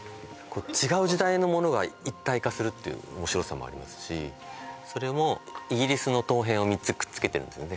違う時代のものが一体化するっていう面白さもありますしそれもイギリスの陶片を３つくっつけてるんですよね